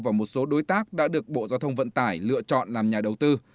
và một số đối tác đã được bộ giao thông vận tải lựa chọn làm nhà đầu tư